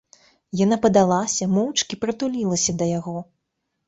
Яна падалася, моўчкі прытулілася да яго.